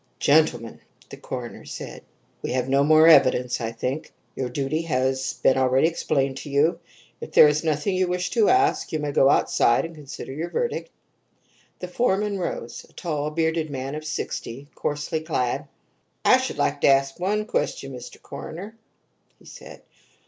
"Gentlemen," the coroner said, "we have no more evidence, I think. Your duty has been already explained to you; if there is nothing you wish to ask you may go outside and consider your verdict." The foreman rose a tall, bearded man of sixty, coarsely clad. "I should like to ask one question, Mr. Coroner," he said.